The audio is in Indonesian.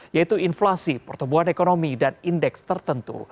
yaitu inflasi pertumbuhan ekonomi dan indeks tertentu